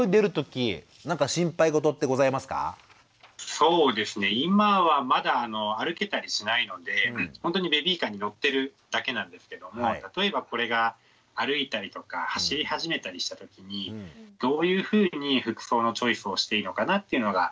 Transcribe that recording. そうですね今はまだ歩けたりしないのでほんとにベビーカーに乗ってるだけなんですけども例えばこれが歩いたりとか走り始めたりした時にどういうふうに服装のチョイスをしていいのかなっていうのが。